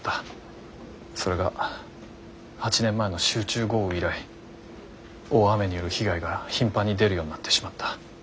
それが８年前の集中豪雨以来大雨による被害が頻繁に出るようになってしまった。